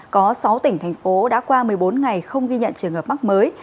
có sáu tỉnh thành phố đã qua một mươi bốn ngày không ghi nhận trường hợp mắc mới